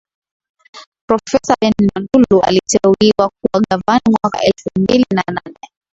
profesa benno ndulu aliteuliwa kuwa gavana mwaka elfu mbili na nane